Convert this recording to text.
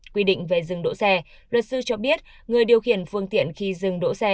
quy định về dừng đỗ xe luật sư cho biết người điều khiển phương tiện khi dừng đỗ xe